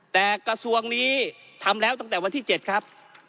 แต่กระทรวงนี้ทำแล้วตั้งแต่วันที่๗ครับ